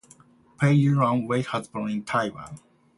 Pei-Yuan Wei was born in Taiwan.